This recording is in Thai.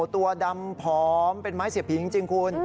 ตัวดำผอมเป็นไม้เสียบผีจริงคุณ